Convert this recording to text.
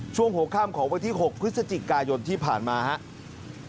ช่วงหกค่ำของวันที่หกคริสติกายนที่ผ่านมาฮะ